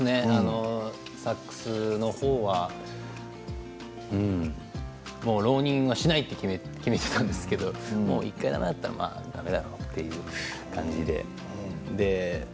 サックスはもう浪人はしないと決めていたんですけど１回、だめだったらだめだろうという感じで。